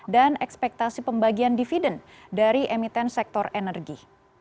dan ekspektasi pembagian dividen dari emiten sektor energi